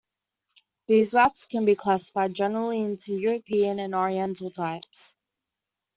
Beeswax can be classified generally into European and Oriental types.